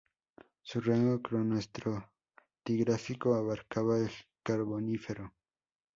Su rango cronoestratigráfico abarcaba el Carbonífero.